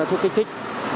loại thuốc kích thích